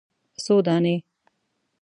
_څو دانې ؟